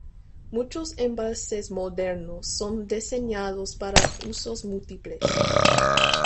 Muchos embalses modernos son diseñados para usos múltiples.